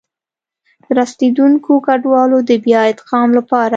د راستنېدونکو کډوالو د بيا ادغام لپاره